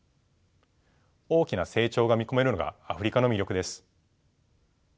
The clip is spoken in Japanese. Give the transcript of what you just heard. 大きな成長が見込めるのがアフリカの魅力です。